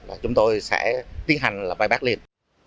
thì chúng tôi sẽ tiến hành là vai bác liên